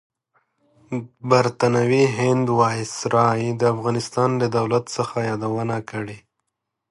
برطانوي هند وایسرای د افغانستان لۀ دولت څخه یادونه کړې.